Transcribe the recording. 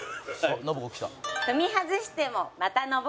「信子きた」